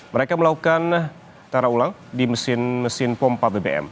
mereka melakukan taraulang di mesin mesin pompa bbm